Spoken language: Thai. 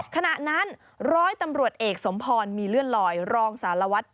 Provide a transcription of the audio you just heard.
ขณะนั้นร้อยตำรวจเอกสมพรมีเลื่อนลอยรองสารวัตร